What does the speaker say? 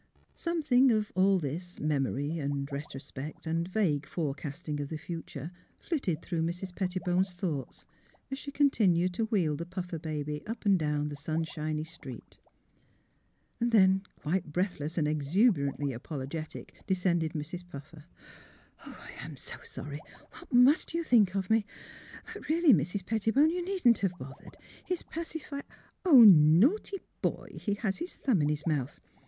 Something of all this — memory and retrospect and vague forecasting of the future flitted through Mrs. Pettibone's thoughts, as she continued to wheel the Puffer baby up and down the sunshiny street. Then, quite breathless and exuberantly apologetic, descended Mrs. Puffer. *' I am so sorry ! What must you think of me ? But really, dear Mrs. Pettibone, you needn't have bothered; his pacifier — Oh, naughty boy; he has his thumb in his mouth